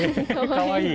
かわいい。